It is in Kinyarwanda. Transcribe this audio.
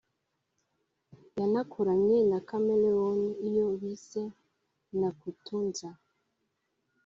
yanakoranye na Chameleone iyo bise “Nakutunza”